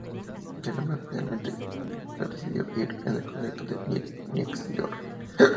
Sin embargo, finalmente se decidió ir con el concepto de "Girl Next Door".